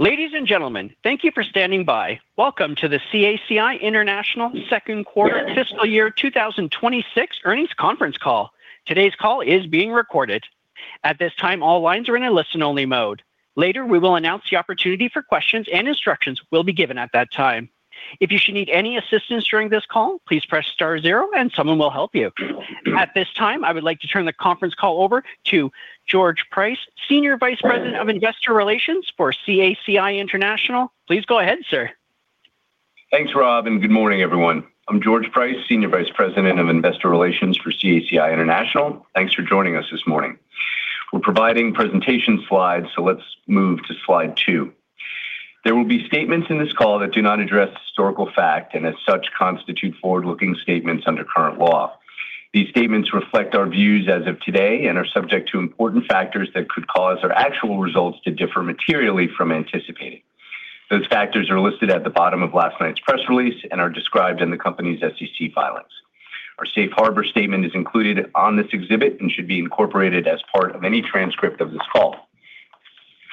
Ladies and gentlemen, thank you for standing by. Welcome to the CACI International Second Quarter Fiscal Year 2026 Earnings Conference Call. Today's call is being recorded. At this time, all lines are in a listen-only mode. Later, we will announce the opportunity for questions, and instructions will be given at that time. If you should need any assistance during this call, please press star zero, and someone will help you. At this time, I would like to turn the conference call over to George Price, Senior Vice President of Investor Relations for CACI International. Please go ahead, sir. Thanks, Rob, and good morning, everyone. I'm George Price, Senior Vice President of Investor Relations for CACI International. Thanks for joining us this morning. We're providing presentation slides, so let's move to slide two. There will be statements in this call that do not address historical fact and, as such, constitute forward-looking statements under current law. These statements reflect our views as of today and are subject to important factors that could cause our actual results to differ materially from anticipated. Those factors are listed at the bottom of last night's press release and are described in the company's SEC filings. Our safe harbor statement is included on this exhibit and should be incorporated as part of any transcript of this call.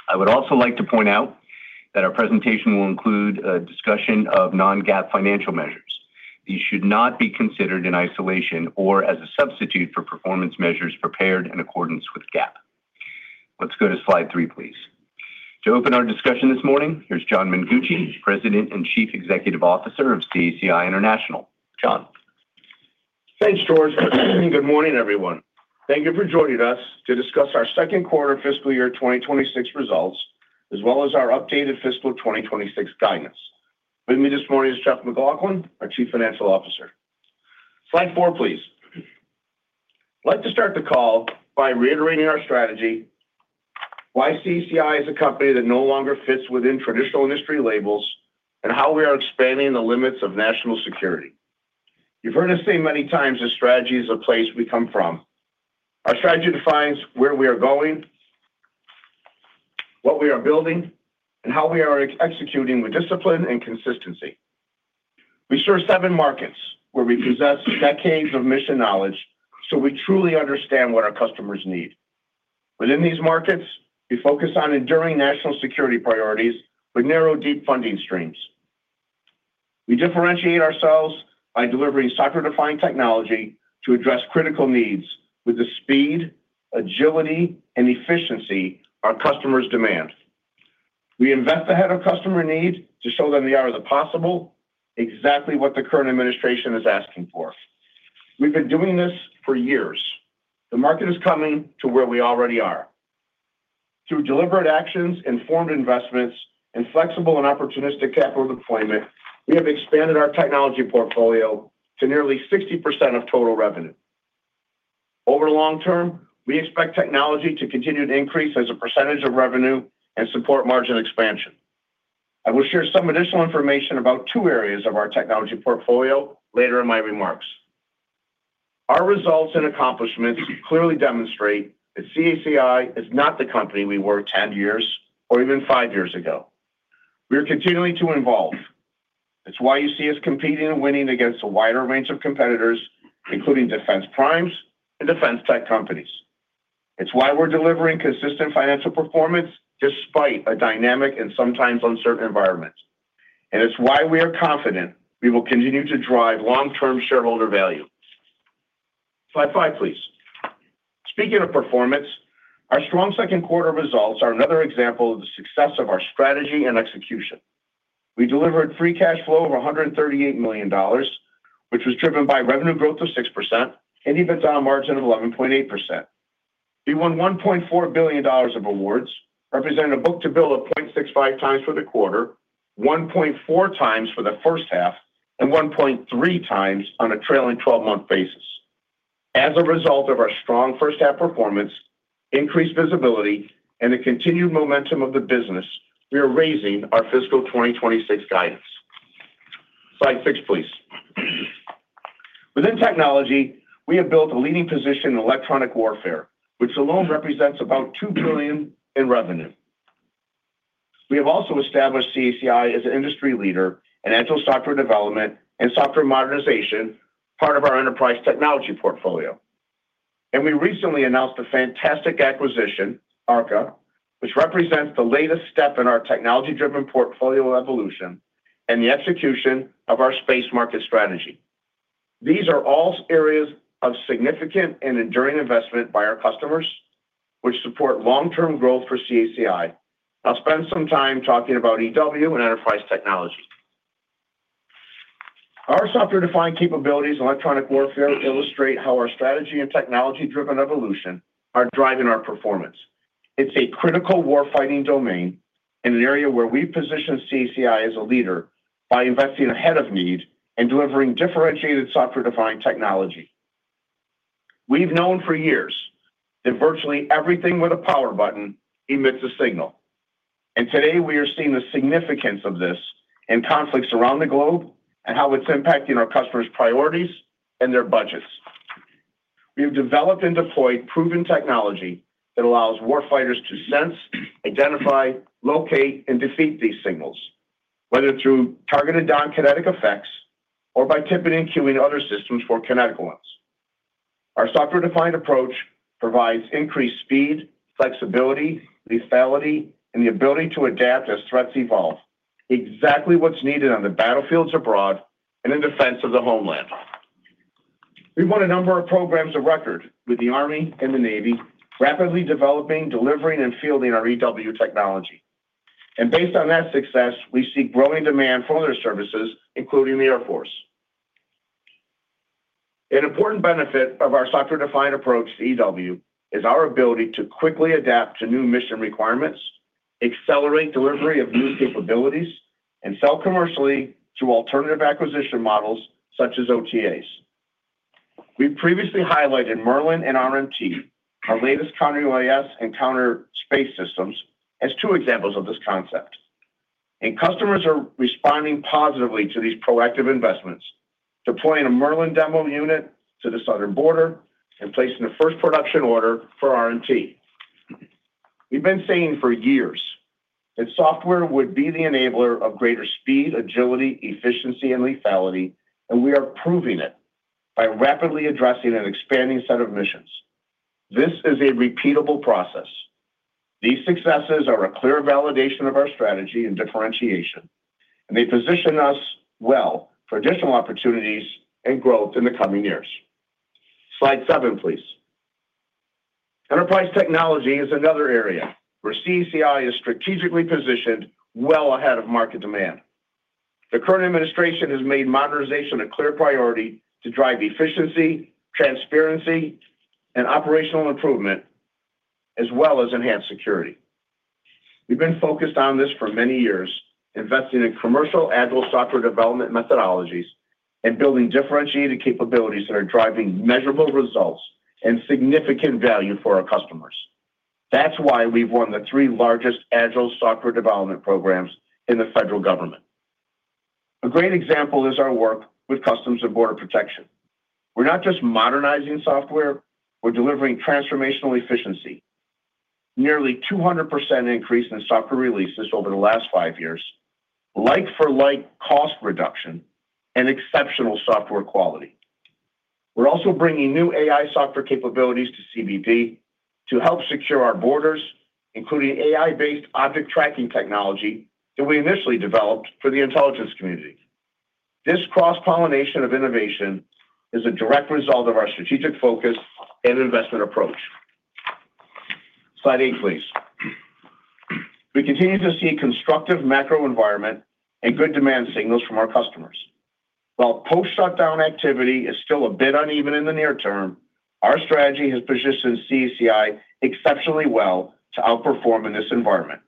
I would also like to point out that our presentation will include a discussion of non-GAAP financial measures. These should not be considered in isolation or as a substitute for performance measures prepared in accordance with GAAP. Let's go to slide three, please. To open our discussion this morning, here's John Mengucci, President and Chief Executive Officer of CACI International. John. Thanks, George. Good morning, everyone. Thank you for joining us to discuss our second quarter fiscal year 2026 results, as well as our updated fiscal 2026 guidance. With me this morning is Jeff MacLauchlan, our Chief Financial Officer. Slide four, please. I'd like to start the call by reiterating our strategy, why CACI is a company that no longer fits within traditional industry labels, and how we are expanding the limits of national security. You've heard us say many times that strategy is a place we come from. Our strategy defines where we are going, what we are building, and how we are executing with discipline and consistency. We serve seven markets where we possess decades of mission knowledge, so we truly understand what our customers need. Within these markets, we focus on enduring national security priorities with narrow, deep funding streams. We differentiate ourselves by delivering cyber-defying technology to address critical needs with the speed, agility, and efficiency our customers demand. We invest ahead of customer need to show them the hour of the possible, exactly what the current administration is asking for. We've been doing this for years. The market is coming to where we already are. Through deliberate actions, informed investments, and flexible and opportunistic capital deployment, we have expanded our technology portfolio to nearly 60% of total revenue. Over the long term, we expect technology to continue to increase as a percentage of revenue and support margin expansion. I will share some additional information about two areas of our technology portfolio later in my remarks. Our results and accomplishments clearly demonstrate that CACI is not the company we were 10 years or even five years ago. We are continuing to evolve. It's why you see us competing and winning against a wider range of competitors, including defense primes and defense-type companies. It's why we're delivering consistent financial performance despite a dynamic and sometimes uncertain environment. And it's why we are confident we will continue to drive long-term shareholder value. Slide five, please. Speaking of performance, our strong second quarter results are another example of the success of our strategy and execution. We delivered free cash flow of $138 million, which was driven by revenue growth of 6% and EBITDA margin of 11.8%. We won $1.4 billion of awards, representing a book-to-bill of 0.65 times for the quarter, 1.4 times for the first half, and 1.3 times on a trailing 12-month basis. As a result of our strong first-half performance, increased visibility, and the continued momentum of the business, we are raising our fiscal 2026 guidance. Slide six, please. Within technology, we have built a leading position in electronic warfare, which alone represents about $2 billion in revenue. We have also established CACI as an industry leader in agile software development and software modernization, part of our enterprise technology portfolio. And we recently announced a fantastic acquisition, ARKA, which represents the latest step in our technology-driven portfolio evolution and the execution of our space market strategy. These are all areas of significant and enduring investment by our customers, which support long-term growth for CACI. I'll spend some time talking about EW and enterprise technology. Our software-defined capabilities in electronic warfare illustrate how our strategy and technology-driven evolution are driving our performance. It's a critical warfighting domain in an area where we position CACI as a leader by investing ahead of need and delivering differentiated software-defined technology. We've known for years that virtually everything with a power button emits a signal, and today, we are seeing the significance of this in conflicts around the globe and how it's impacting our customers' priorities and their budgets. We have developed and deployed proven technology that allows warfighters to sense, identify, locate, and defeat these signals, whether through targeted non-kinetic effects or by tipping and queuing other systems for kinetical ones. Our software-defined approach provides increased speed, flexibility, lethality, and the ability to adapt as threats evolve, exactly what's needed on the battlefields abroad and in defense of the homeland. We've won a number of programs of record with the Army and the Navy, rapidly developing, delivering, and fielding our EW technology, and based on that success, we see growing demand for other services, including the Air Force. An important benefit of our software-defined approach to EW is our ability to quickly adapt to new mission requirements, accelerate delivery of new capabilities, and sell commercially through alternative acquisition models such as OTAs. We've previously highlighted Merlin and RMT, our latest counter-UAS and counter-space systems, as two examples of this concept. And customers are responding positively to these proactive investments, deploying a Merlin demo unit to the southern border and placing the first production order for RMT. We've been saying for years that software would be the enabler of greater speed, agility, efficiency, and lethality, and we are proving it by rapidly addressing an expanding set of missions. This is a repeatable process. These successes are a clear validation of our strategy and differentiation, and they position us well for additional opportunities and growth in the coming years. Slide seven, please. Enterprise technology is another area where CACI is strategically positioned well ahead of market demand. The current administration has made modernization a clear priority to drive efficiency, transparency, and operational improvement, as well as enhanced security. We've been focused on this for many years, investing in commercial agile software development methodologies and building differentiated capabilities that are driving measurable results and significant value for our customers. That's why we've won the three largest agile software development programs in the federal government. A great example is our work with Customs and Border Protection. We're not just modernizing software. We're delivering transformational efficiency, nearly 200% increase in software releases over the last five years, like-for-like cost reduction, and exceptional software quality. We're also bringing new AI software capabilities to CBP to help secure our borders, including AI-based object tracking technology that we initially developed for the intelligence community. This cross-pollination of innovation is a direct result of our strategic focus and investment approach. Slide eight, please. We continue to see a constructive macro environment and good demand signals from our customers. While post-shutdown activity is still a bit uneven in the near term, our strategy has positioned CACI exceptionally well to outperform in this environment.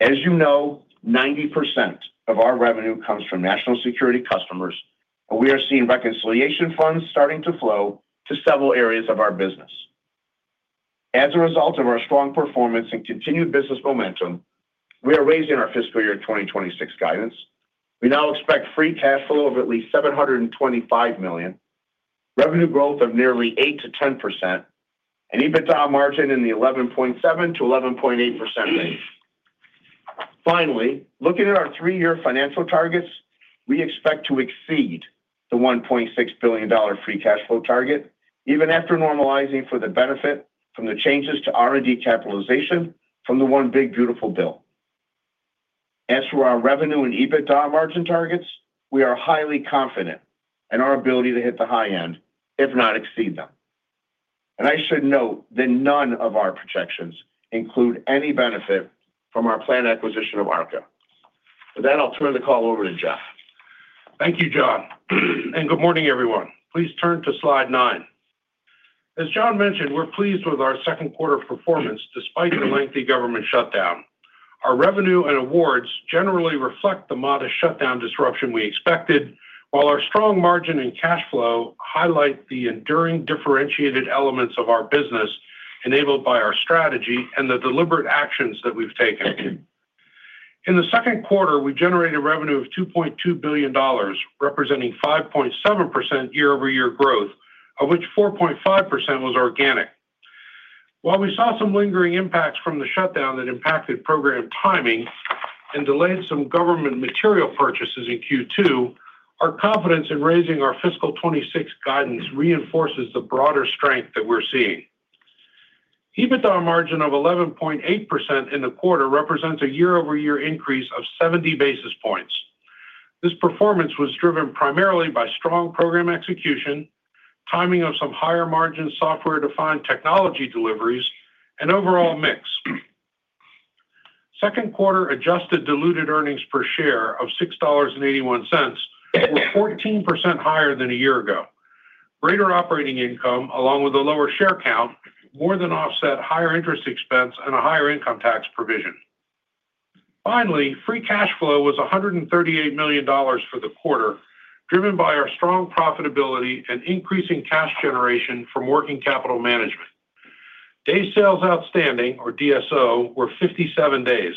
As you know, 90% of our revenue comes from national security customers, and we are seeing reconciliation funds starting to flow to several areas of our business. As a result of our strong performance and continued business momentum, we are raising our fiscal year 2026 guidance. We now expect free cash flow of at least $725 million, revenue growth of nearly 8%-10%, and EBITDA margin in the 11.7%-11.8% range. Finally, looking at our three-year financial targets, we expect to exceed the $1.6 billion free cash flow target, even after normalizing for the benefit from the changes to R&D capitalization from the one big beautiful bill. As for our revenue and EBITDA margin targets, we are highly confident in our ability to hit the high end, if not exceed them. And I should note that none of our projections include any benefit from our planned acquisition of ARKA. With that, I'll turn the call over to Jeff. Thank you, John. And good morning, everyone. Please turn to slide nine. As John mentioned, we're pleased with our second quarter performance despite the lengthy government shutdown. Our revenue and awards generally reflect the modest shutdown disruption we expected, while our strong margin and cash flow highlight the enduring differentiated elements of our business enabled by our strategy and the deliberate actions that we've taken. In the second quarter, we generated revenue of $2.2 billion, representing 5.7% year-over-year growth, of which 4.5% was organic. While we saw some lingering impacts from the shutdown that impacted program timing and delayed some government material purchases in Q2, our confidence in raising our fiscal 2026 guidance reinforces the broader strength that we're seeing. EBITDA margin of 11.8% in the quarter represents a year-over-year increase of 70 basis points. This performance was driven primarily by strong program execution, timing of some higher margin software-defined technology deliveries, and overall mix. Second quarter adjusted diluted earnings per share of $6.81 were 14% higher than a year ago. Greater operating income, along with a lower share count, more than offset higher interest expense and a higher income tax provision. Finally, free cash flow was $138 million for the quarter, driven by our strong profitability and increasing cash generation from working capital management. Days sales outstanding, or DSO, were 57 days.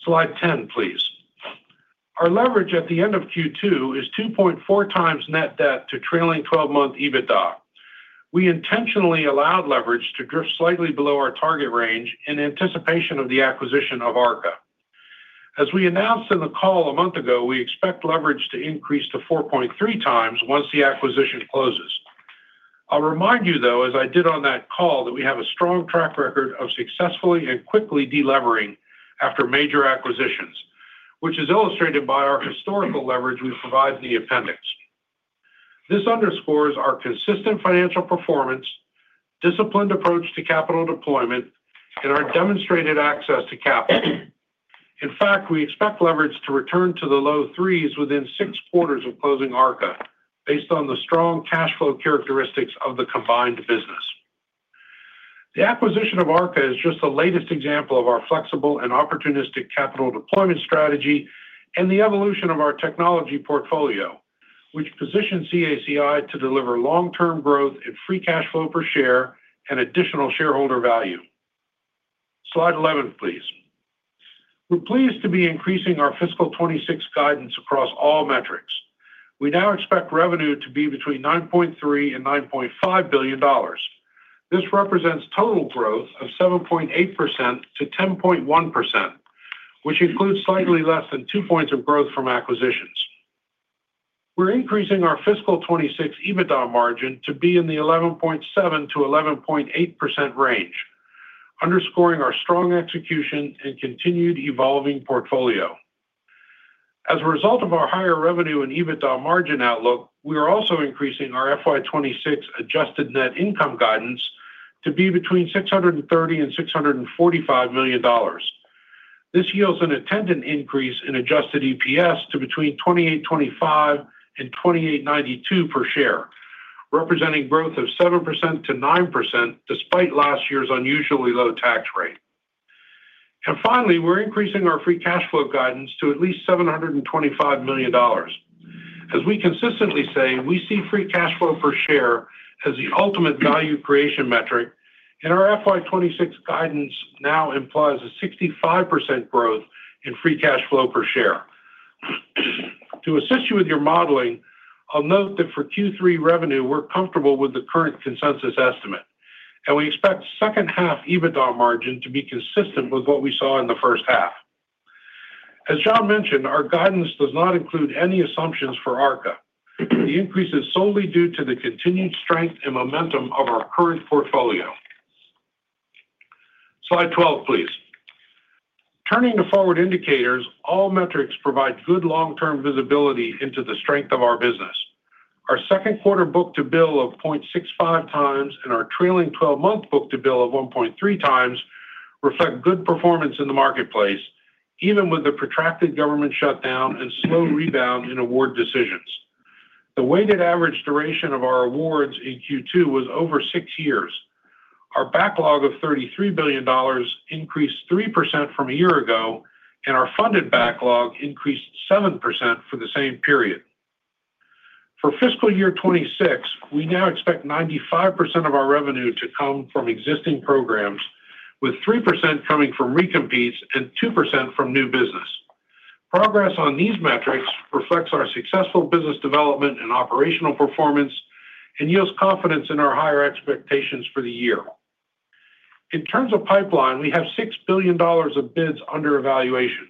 Slide 10, please. Our leverage at the end of Q2 is 2.4 times net debt to trailing 12-month EBITDA. We intentionally allowed leverage to drift slightly below our target range in anticipation of the acquisition of ARCA. As we announced in the call a month ago, we expect leverage to increase to 4.3 times once the acquisition closes. I'll remind you, though, as I did on that call, that we have a strong track record of successfully and quickly delevering after major acquisitions, which is illustrated by our historical leverage we provide in the appendix. This underscores our consistent financial performance, disciplined approach to capital deployment, and our demonstrated access to capital. In fact, we expect leverage to return to the low threes within six quarters of closing ARCA, based on the strong cash flow characteristics of the combined business. The acquisition of ARCA is just the latest example of our flexible and opportunistic capital deployment strategy and the evolution of our technology portfolio, which positions CACI to deliver long-term growth and free cash flow per share and additional shareholder value. Slide 11, please. We're pleased to be increasing our fiscal 2026 guidance across all metrics. We now expect revenue to be between $9.3 and $9.5 billion. This represents total growth of 7.8%-10.1%, which includes slightly less than two points of growth from acquisitions. We're increasing our fiscal 2026 EBITDA margin to be in the 11.7%-11.8% range, underscoring our strong execution and continued evolving portfolio. As a result of our higher revenue and EBITDA margin outlook, we are also increasing our FY26 adjusted net income guidance to be between $630 and $645 million. This yields an attendant increase in adjusted EPS to between $28.25 and $28.92 per share, representing growth of 7%-9% despite last year's unusually low tax rate. Finally, we're increasing our free cash flow guidance to at least $725 million. As we consistently say, we see free cash flow per share as the ultimate value creation metric, and our FY26 guidance now implies a 65% growth in free cash flow per share. To assist you with your modeling, I'll note that for Q3 revenue, we're comfortable with the current consensus estimate, and we expect second-half EBITDA margin to be consistent with what we saw in the first half. As John mentioned, our guidance does not include any assumptions for ARCA. The increase is solely due to the continued strength and momentum of our current portfolio. Slide 12, please. Turning to forward indicators, all metrics provide good long-term visibility into the strength of our business. Our second quarter book-to-bill of 0.65 times and our trailing 12-month book-to-bill of 1.3 times reflect good performance in the marketplace, even with the protracted government shutdown and slow rebound in award decisions. The weighted average duration of our awards in Q2 was over six years. Our backlog of $33 billion increased 3% from a year ago, and our funded backlog increased 7% for the same period. For fiscal year 2026, we now expect 95% of our revenue to come from existing programs, with 3% coming from recompetes and 2% from new business. Progress on these metrics reflects our successful business development and operational performance and yields confidence in our higher expectations for the year. In terms of pipeline, we have $6 billion of bids under evaluation,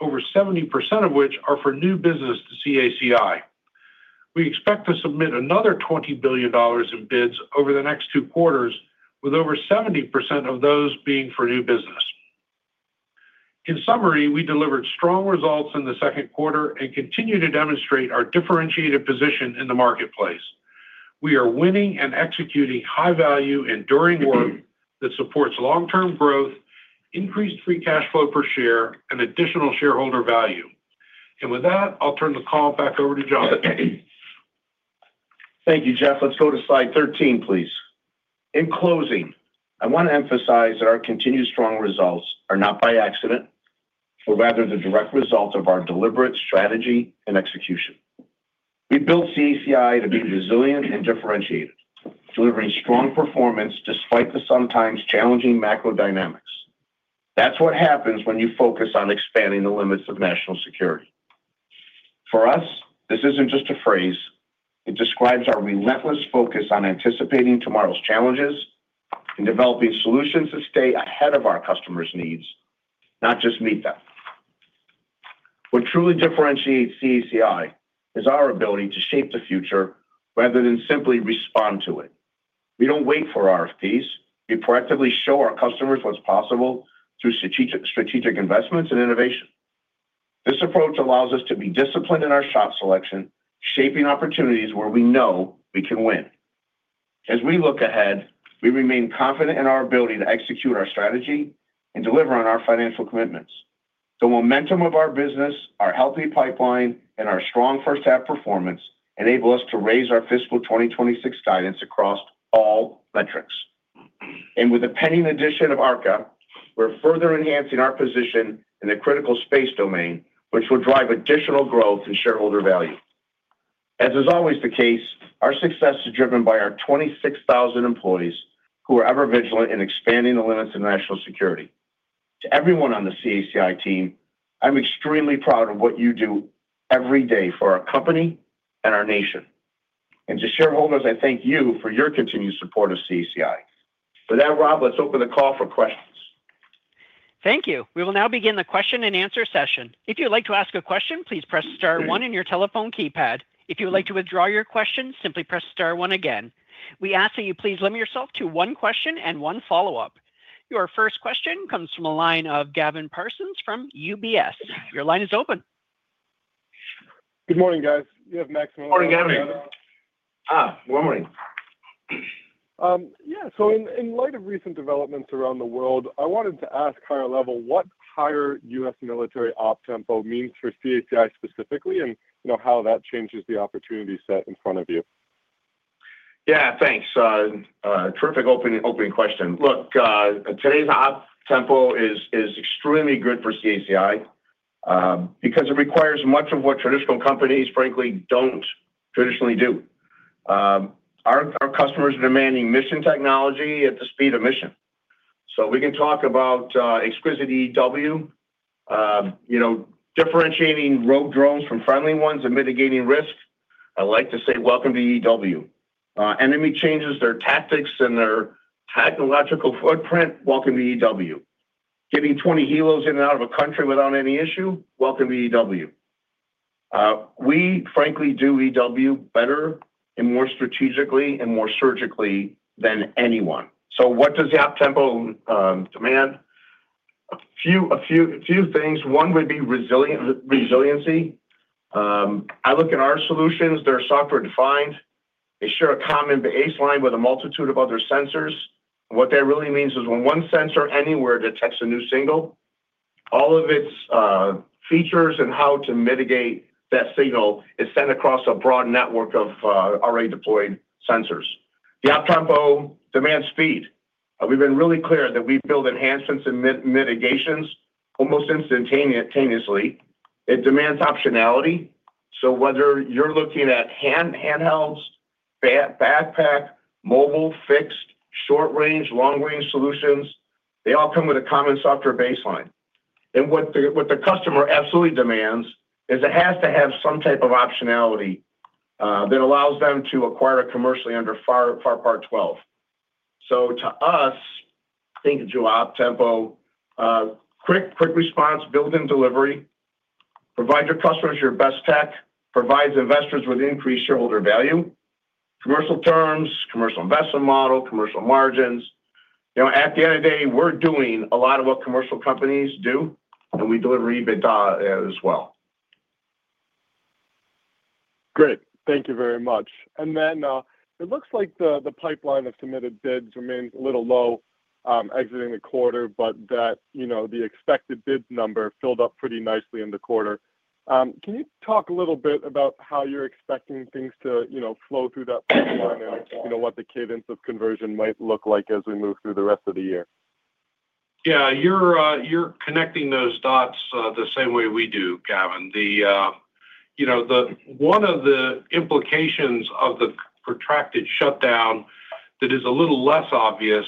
over 70% of which are for new business to CACI. We expect to submit another $20 billion in bids over the next two quarters, with over 70% of those being for new business. In summary, we delivered strong results in the second quarter and continue to demonstrate our differentiated position in the marketplace. We are winning and executing high-value, enduring work that supports long-term growth, increased free cash flow per share, and additional shareholder value. And with that, I'll turn the call back over to John. Thank you, Jeff. Let's go to slide 13, please. In closing, I want to emphasize that our continued strong results are not by accident, but rather the direct result of our deliberate strategy and execution. We built CACI to be resilient and differentiated, delivering strong performance despite the sometimes challenging macro dynamics. That's what happens when you focus on expanding the limits of national security. For us, this isn't just a phrase. It describes our relentless focus on anticipating tomorrow's challenges and developing solutions to stay ahead of our customers' needs, not just meet them. What truly differentiates CACI is our ability to shape the future rather than simply respond to it. We don't wait for RFPs. We proactively show our customers what's possible through strategic investments and innovation. This approach allows us to be disciplined in our shop selection, shaping opportunities where we know we can win. As we look ahead, we remain confident in our ability to execute our strategy and deliver on our financial commitments. The momentum of our business, our healthy pipeline, and our strong first-half performance enable us to raise our fiscal 2026 guidance across all metrics. And with the pending addition of ARCA, we're further enhancing our position in the critical space domain, which will drive additional growth and shareholder value. As is always the case, our success is driven by our 26,000 employees who are ever vigilant in expanding the limits of national security. To everyone on the CACI team, I'm extremely proud of what you do every day for our company and our nation. And to shareholders, I thank you for your continued support of CACI. With that, Rob, let's open the call for questions. Thank you. We will now begin the question-and-answer session. If you'd like to ask a question, please press star one in your telephone keypad. If you would like to withdraw your question, simply press star one again. We ask that you please limit yourself to one question and one follow-up. Your first question comes from a line of Gavin Parsons from UBS. Your line is open. Good morning, guys. You have maximum leverage. Morning, Gavin. Good morning. Yeah, so in light of recent developments around the world, I wanted to ask higher level what higher U.S. military OPTEMPO means for CACI specifically and how that changes the opportunity set in front of you. Yeah, thanks. Terrific opening question. Look, today's OPTEMPO is extremely good for CACI because it requires much of what traditional companies, frankly, don't traditionally do. Our customers are demanding mission technology at the speed of mission. So we can talk about exquisite EW, differentiating rogue drones from friendly ones and mitigating risk. I like to say, "Welcome to EW." Enemy changes their tactics and their technological footprint, "Welcome to EW." Getting 20 helos in and out of a country without any issue, "Welcome to EW." We, frankly, do EW better and more strategically and more surgically than anyone. So what does the OPTEMPO demand? A few things. One would be resiliency. I look at our solutions. They're software-defined. They share a common baseline with a multitude of other sensors. What that really means is when one sensor anywhere detects a new signal, all of its features and how to mitigate that signal is sent across a broad network of already deployed sensors. The OPTEMPO demands speed. We've been really clear that we build enhancements and mitigations almost instantaneously. It demands optionality. So whether you're looking at handhelds, backpack, mobile, fixed, short-range, long-range solutions, they all come with a common software baseline. And what the customer absolutely demands is it has to have some type of optionality that allows them to acquire commercially under FAR Part 12. So to us, think of your OPTEMPO, quick response, build and delivery, provide your customers your best tech, provide investors with increased shareholder value, commercial terms, commercial investment model, commercial margins. At the end of the day, we're doing a lot of what commercial companies do, and we deliver EBITDA as well. Great. Thank you very much. And then it looks like the pipeline of submitted bids remains a little low exiting the quarter, but the expected bid number filled up pretty nicely in the quarter. Can you talk a little bit about how you're expecting things to flow through that pipeline and what the cadence of conversion might look like as we move through the rest of the year? Yeah, you're connecting those dots the same way we do, Gavin. One of the implications of the protracted shutdown that is a little less obvious,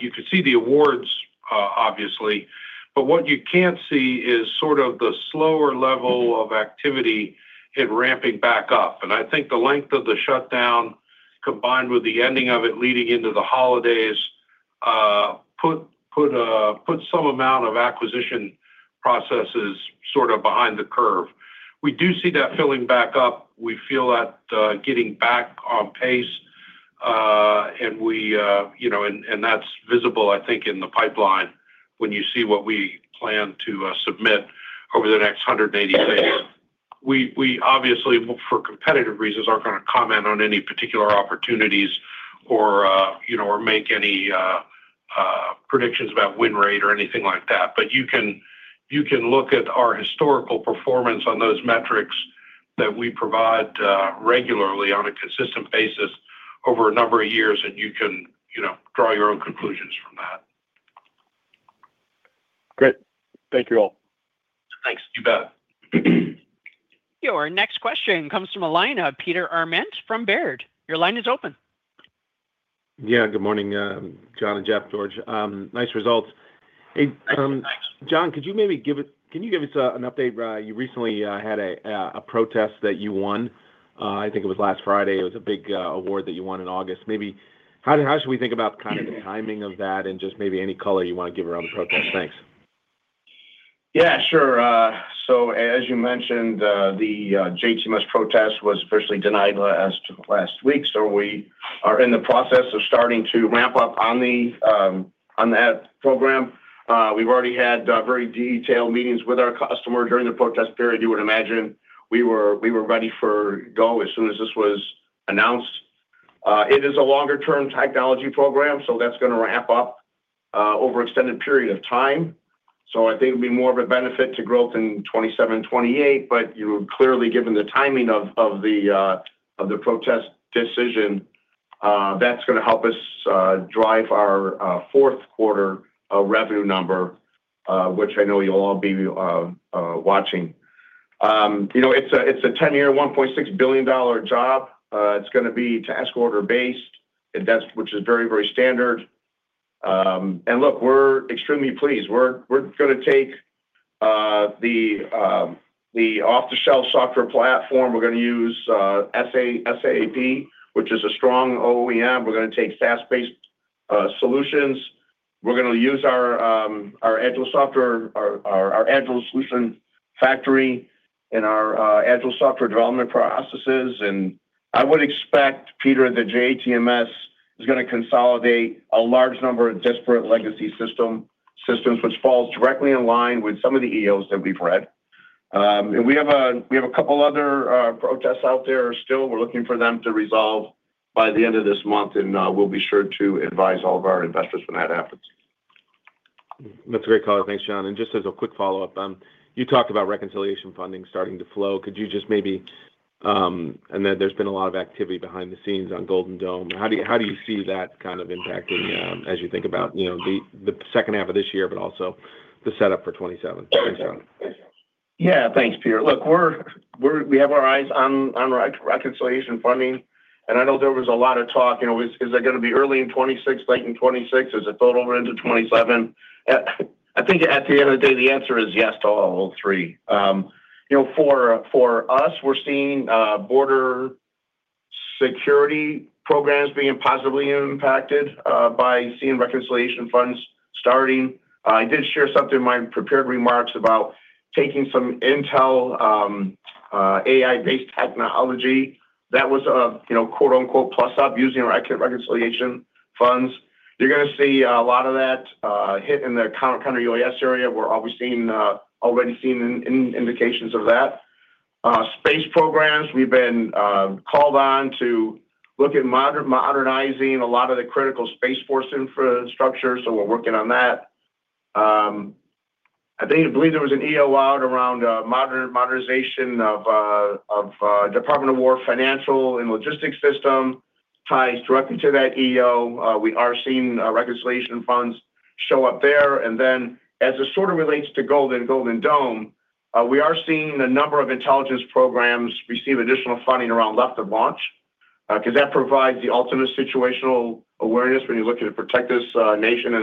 you could see the awards, obviously, but what you can't see is sort of the slower level of activity in ramping back up. And I think the length of the shutdown, combined with the ending of it leading into the holidays, put some amount of acquisition processes sort of behind the curve. We do see that filling back up. We feel that getting back on pace, and that's visible, I think, in the pipeline when you see what we plan to submit over the next 180 days. We, obviously, for competitive reasons, aren't going to comment on any particular opportunities or make any predictions about win rate or anything like that. But you can look at our historical performance on those metrics that we provide regularly on a consistent basis over a number of years, and you can draw your own conclusions from that. Great. Thank you all. Thanks. You bet. Your next question comes from a line of Peter Arment from Baird. Your line is open. Yeah, good morning, John and Jeff, George. Nice results. Thanks. John, could you maybe give us an update? You recently had a protest that you won. I think it was last Friday. It was a big award that you won in August. How should we think about kind of the timing of that and just maybe any color you want to give around the protest? Thanks. Yeah, sure. So as you mentioned, the JTMS protest was officially denied last week. So we are in the process of starting to ramp up on that program. We've already had very detailed meetings with our customer during the protest period. You would imagine we were ready for go as soon as this was announced. It is a longer-term technology program, so that's going to ramp up over an extended period of time. So I think it would be more of a benefit to growth in 2027, 2028, but clearly, given the timing of the protest decision, that's going to help us drive our fourth quarter revenue number, which I know you'll all be watching. It's a 10-year, $1.6 billion job. It's going to be task order-based, which is very, very standard. And look, we're extremely pleased. We're going to take the off-the-shelf software platform. We're going to use SAP, which is a strong OEM. We're going to take SaaS-based solutions. We're going to use our Agile software, our Agile Solution Factory, and our Agile software development processes. And I would expect, Peter, that JTMS is going to consolidate a large number of disparate legacy systems, which falls directly in line with some of the EOs that we've read. And we have a couple of other protests out there still. We're looking for them to resolve by the end of this month, and we'll be sure to advise all of our investors when that happens. That's a great call. Thanks, John. And just as a quick follow-up, you talked about reconciliation funding starting to flow. Could you just maybe, and there's been a lot of activity behind the scenes on Golden Dome, how do you see that kind of impacting as you think about the second half of this year, but also the setup for 2027? Yeah, thanks, Peter. Look, we have our eyes on reconciliation funding, and I know there was a lot of talk. Is it going to be early in 2026, late in 2026? Is it built over into 2027? I think at the end of the day, the answer is yes to all three. For us, we're seeing border security programs being positively impacted by seeing reconciliation funds starting. I did share something in my prepared remarks about taking some Intel AI-based technology that was a "plus-up" using our reconciliation funds. You're going to see a lot of that hit in the counter-UAS area where we've already seen indications of that. Space programs, we've been called on to look at modernizing a lot of the critical Space Force infrastructure, so we're working on that. I believe there was an EO out around modernization of Department of Defense financial and logistics systems that ties directly to that EO. We are seeing reconciliation funds show up there, and then, as it sort of relates to Golden Dome, we are seeing a number of intelligence programs receive additional funding around left of launch because that provides the ultimate situational awareness when you're looking to protect this nation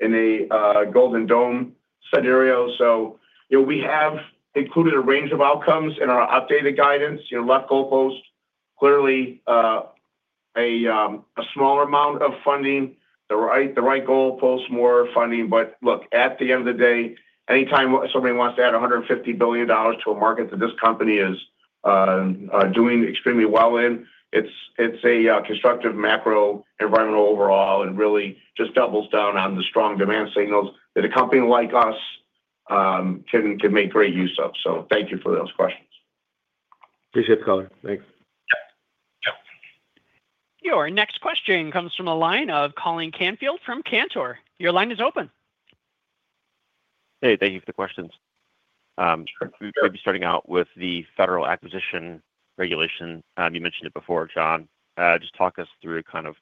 in a Golden Dome scenario, so we have included a range of outcomes in our updated guidance. Left goalpost, clearly a smaller amount of funding. The right goalpost, more funding. But look, at the end of the day, anytime somebody wants to add $150 billion to a market that this company is doing extremely well in, it's a constructive macro environment overall and really just doubles down on the strong demand signals that a company like us can make great use of. So thank you for those questions. Appreciate the call. Thanks. Your next question comes from a line of Colin Canfield from Cantor. Your line is open. Hey, thank you for the questions. We're maybe starting out with the Federal Acquisition Regulation. You mentioned it before, John. Just talk us through kind of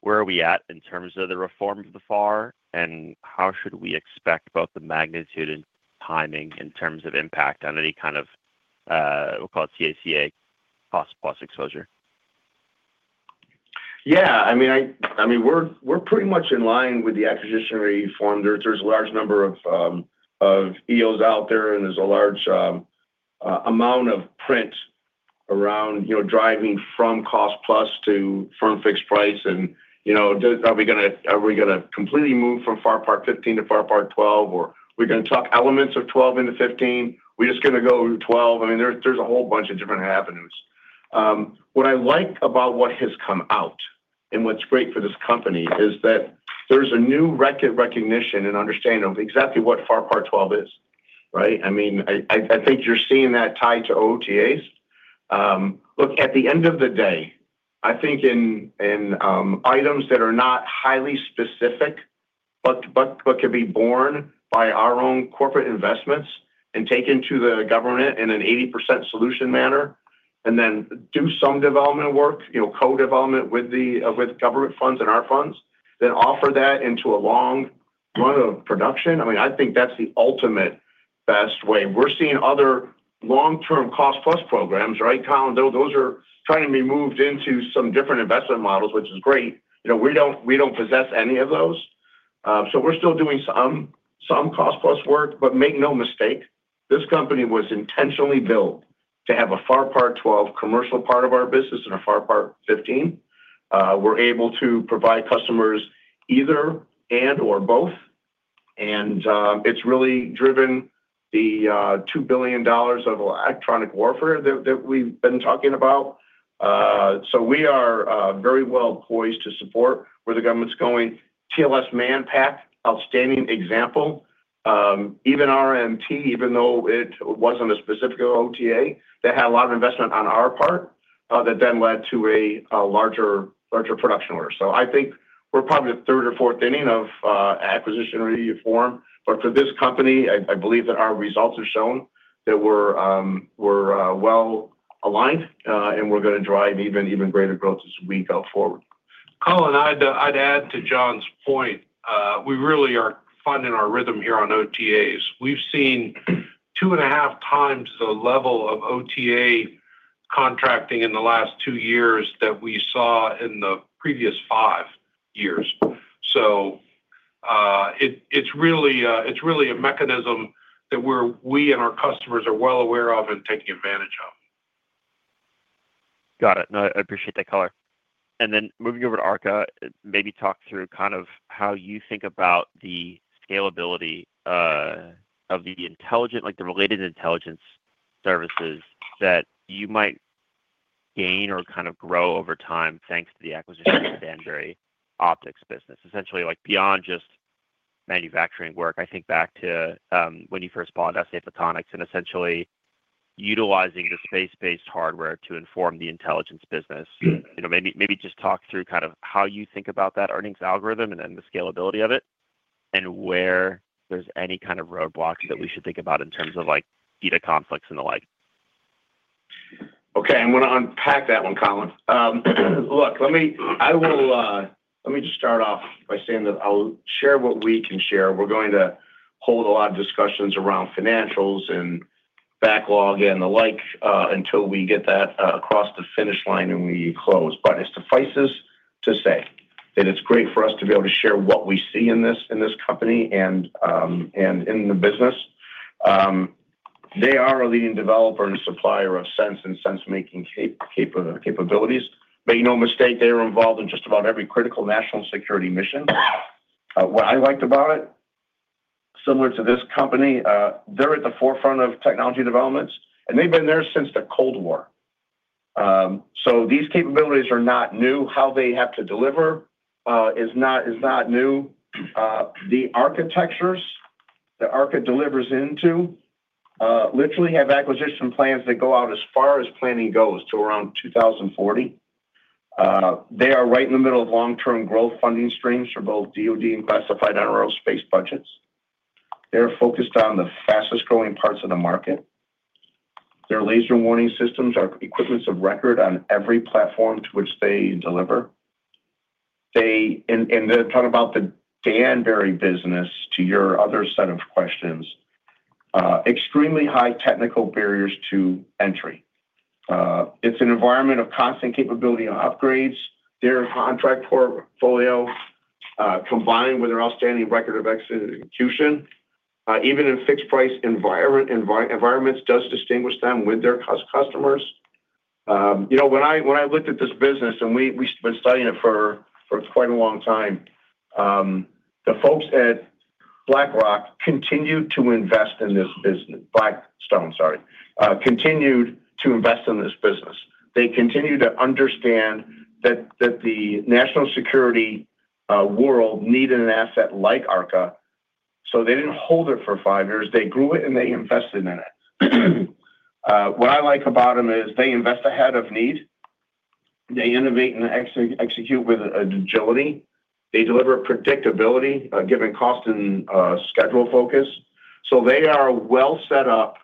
where are we at in terms of the reform of the FAR, and how should we expect both the magnitude and timing in terms of impact on any kind of, we'll call it CACI, cost-plus exposure? Yeah. I mean, we're pretty much in line with the acquisition reform. There's a large number of EOs out there, and there's a large amount of print around driving from cost-plus to firm fixed price. And are we going to completely move from FAR Part 15 to FAR Part 12, or are we going to tuck elements of 12 into 15? We're just going to go 12. I mean, there's a whole bunch of different avenues. What I like about what has come out and what's great for this company is that there's a new record recognition and understanding of exactly what FAR Part 12 is, right? I mean, I think you're seeing that tied to OTAs. Look, at the end of the day, I think in items that are not highly specific but could be borne by our own corporate investments and taken to the government in an 80% solution manner, and then do some development work, co-development with government funds and our funds, then offer that into a long run of production. I mean, I think that's the ultimate best way. We're seeing other long-term cost-plus programs, right, Colin? Those are trying to be moved into some different investment models, which is great. We don't possess any of those. So we're still doing some cost-plus work, but make no mistake, this company was intentionally built to have a FAR Part 12 commercial part of our business and a FAR Part 15. We're able to provide customers either and/or both. And it's really driven the $2 billion of electronic warfare that we've been talking about. So we are very well poised to support where the government's going. TLS-BCT Manpack, outstanding example. Even RMT, even though it wasn't a specific OTA, they had a lot of investment on our part that then led to a larger production order. So I think we're probably the third or fourth inning of acquisition reform. But for this company, I believe that our results have shown that we're well aligned, and we're going to drive even greater growth as we go forward. Colin, I'd add to John's point. We really are finding our rhythm here on OTAs. We've seen two and a half times the level of OTA contracting in the last two years that we saw in the previous five years. So it's really a mechanism that we and our customers are well aware of and taking advantage of. Got it. No, I appreciate that, Color. And then moving over to ARCA, maybe talk through kind of how you think about the scalability of the related intelligence services that you might gain or kind of grow over time thanks to the acquisition of the Danbury Optics business. Essentially, beyond just manufacturing work, I think back to when you first bought SA Photonics and essentially utilizing the space-based hardware to inform the intelligence business. Maybe just talk through kind of how you think about that earnings algorithm and then the scalability of it and where there's any kind of roadblocks that we should think about in terms of data conflicts and the like. Okay. I'm going to unpack that one, Colin. Look, let me just start off by saying that I'll share what we can share. We're going to hold a lot of discussions around financials and backlog and the like until we get that across the finish line and we close. But it suffices to say that it's great for us to be able to share what we see in this company and in the business. They are a leading developer and supplier of sense and sense-making capabilities. Make no mistake, they are involved in just about every critical national security mission. What I liked about it, similar to this company, they're at the forefront of technology developments, and they've been there since the Cold War. So these capabilities are not new. How they have to deliver is not new. The architectures that ARCA delivers into literally have acquisition plans that go out as far as planning goes to around 2040. They are right in the middle of long-term growth funding streams for both DOD and classified and aerospace budgets. They're focused on the fastest-growing parts of the market. Their laser warning systems are equipment of record on every platform to which they deliver. And then talking about the Danbury business to your other set of questions, extremely high technical barriers to entry. It's an environment of constant capability and upgrades. Their contract portfolio, combined with their outstanding record of execution, even in fixed-price environments, does distinguish them with their customers. When I looked at this business, and we've been studying it for quite a long time, the folks at BlackRock continued to invest in this business. Blackstone, sorry. Continued to invest in this business. They continued to understand that the national security world needed an asset like ARCA, so they didn't hold it for five years. They grew it, and they invested in it. What I like about them is they invest ahead of need. They innovate and execute with agility. They deliver predictability given cost and schedule focus, so they are well set up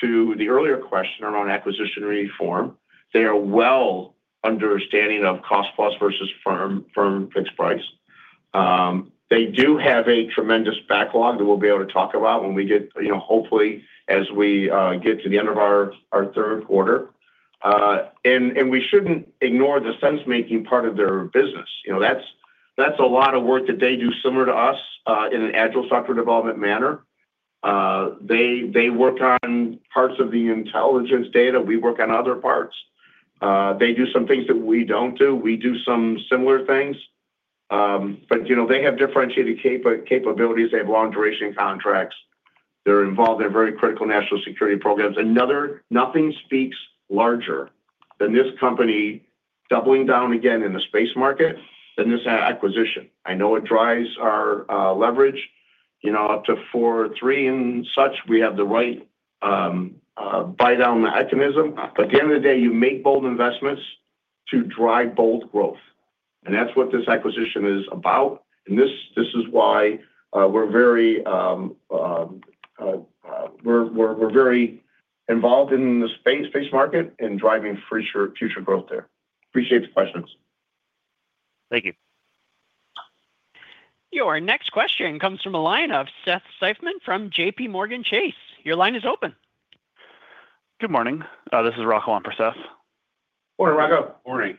to the earlier question around acquisition reform. They are well understanding of cost-plus versus firm-fixed-price. They do have a tremendous backlog that we'll be able to talk about when we get, hopefully, as we get to the end of our third quarter, and we shouldn't ignore the sense-making part of their business. That's a lot of work that they do similar to us in an Agile software development manner. They work on parts of the intelligence data. We work on other parts. They do some things that we don't do. We do some similar things. But they have differentiated capabilities. They have long-duration contracts. They're involved in very critical national security programs. Nothing speaks larger than this company doubling down again in the space market than this acquisition. I know it drives our leverage up to 4.3 and such. We have the right buy-down mechanism. At the end of the day, you make bold investments to drive bold growth. And that's what this acquisition is about. And this is why we're very involved in the space market and driving future growth there. Appreciate the questions. Thank you. Your next question comes from a line of Seth Seifman from JPMorgan Chase. Your line is open. Good morning. This is Rachel on for Seth. Morning, Rachel. Morning.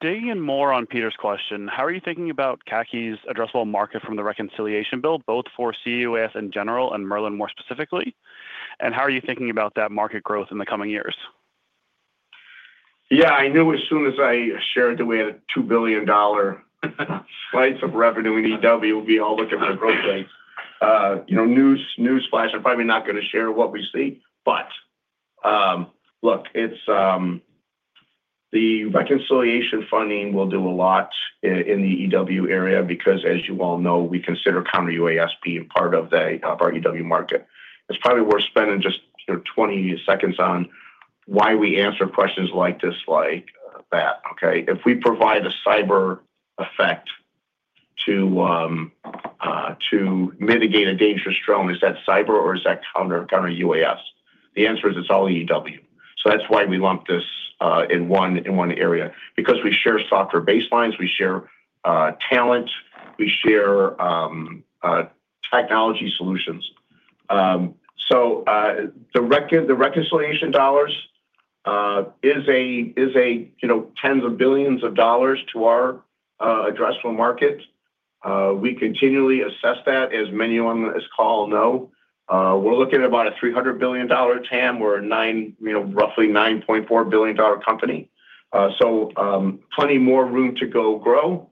Digging more on Peter's question, how are you thinking about CACI's addressable market from the reconciliation bill, both for CEOs in general and Merlin more specifically? And how are you thinking about that market growth in the coming years? Yeah. I knew as soon as I shared that we had a $2 billion slice of revenue in EW, we'll be all looking for growth rates. News flash, I'm probably not going to share what we see. But look, the reconciliation funding will do a lot in the EW area because, as you all know, we consider counter UAS being part of our EW market. It's probably worth spending just 20 seconds on why we answer questions like this, like that, okay? If we provide a cyber effect to mitigate a dangerous drone, is that cyber or is that counter UAS? The answer is it's all EW. So that's why we lump this in one area. Because we share software baselines, we share talent, we share technology solutions. So the reconciliation dollars is tens of billions of dollars to our addressable market. We continually assess that, as many on this call know. We're looking at about a $300 billion TAM. We're roughly a $9.4 billion company. Plenty more room to go grow.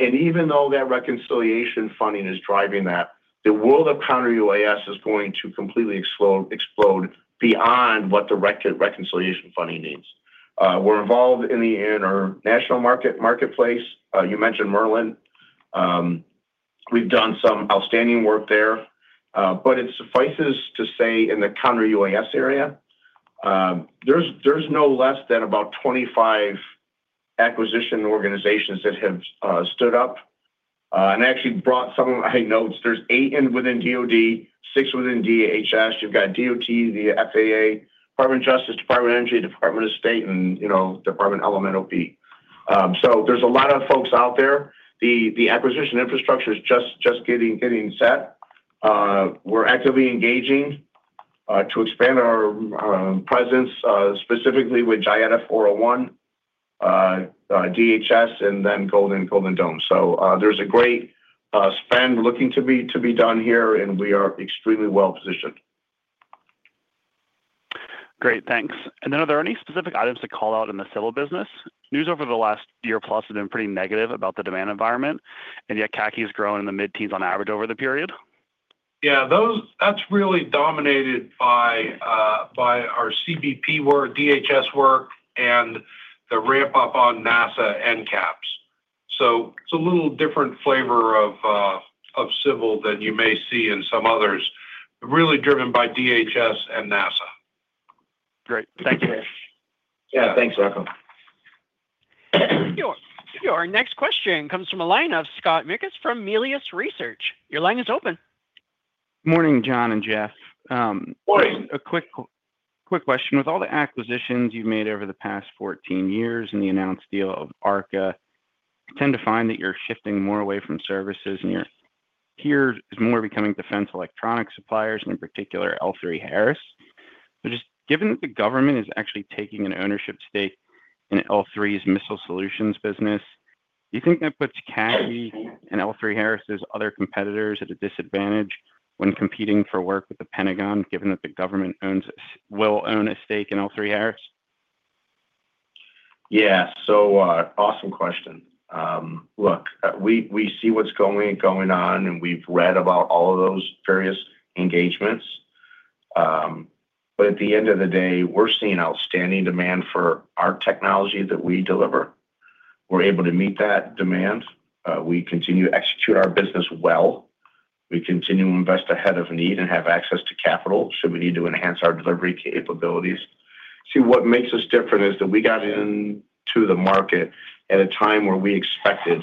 Even though that reconciliation funding is driving that, the world of counter UAS is going to completely explode beyond what the reconciliation funding needs. We're involved in our national marketplace. You mentioned Merlin. We've done some outstanding work there. It suffices to say in the counter UAS area, there's no less than about 25 acquisition organizations that have stood up. I actually brought some of my notes. There's eight within DOD, six within DHS. You've got DOT, the FAA, Department of Justice, Department of Energy, Department of State, and Department of Elemental Fee. There's a lot of folks out there. The acquisition infrastructure is just getting set. We're actively engaging to expand our presence specifically with Gietta 401, DHS, and then Golden Dome. So there's a great spend looking to be done here, and we are extremely well positioned. Great. Thanks. And then are there any specific items to call out in the civil business? News over the last year plus has been pretty negative about the demand environment, and yet CACI has grown in the mid-teens on average over the period. Yeah. That's really dominated by our CBP work, DHS work, and the ramp-up on NASA and NCAPS. So it's a little different flavor of civil than you may see in some others, really driven by DHS and NASA. Great. Thank you. Yeah. Thanks, Rachel. Your next question comes from a line of Scott Mikus from Melius Research. Your line is open. Morning, John and Jeff. Morning. A quick question. With all the acquisitions you've made over the past 14 years and the announced deal of ARCA, I tend to find that you're shifting more away from services, and you're increasingly becoming defense electronics suppliers, in particular L3Harris. But just given that the government is actually taking an ownership stake in L3Harris's missile solutions business, do you think that puts CACI and L3Harris's other competitors at a disadvantage when competing for work with the Pentagon, given that the government will own a stake in L3Harris? Yeah. So awesome question. Look, we see what's going on, and we've read about all of those various engagements. But at the end of the day, we're seeing outstanding demand for our technology that we deliver. We're able to meet that demand. We continue to execute our business well. We continue to invest ahead of need and have access to capital should we need to enhance our delivery capabilities. See, what makes us different is that we got into the market at a time where we expected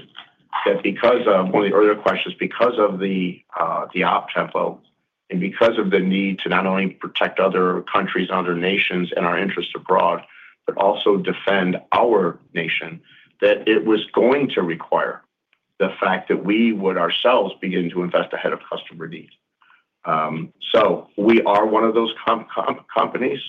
that because of one of the earlier questions, because of the OpTempo and because of the need to not only protect other countries and other nations and our interests abroad, but also defend our nation, that it was going to require the fact that we would ourselves begin to invest ahead of customer needs. So we are one of those companies.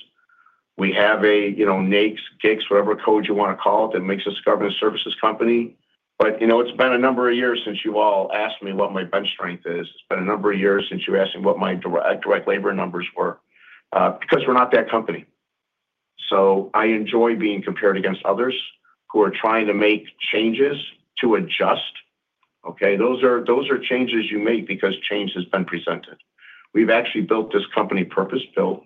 We have a NAICS, GICS, whatever code you want to call it that makes us a government services company. But it's been a number of years since you all asked me what my bench strength is. It's been a number of years since you asked me what my direct labor numbers were because we're not that company. So I enjoy being compared against others who are trying to make changes to adjust. Okay? Those are changes you make because change has been presented. We've actually built this company purpose-built